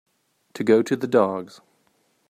To go to the dogs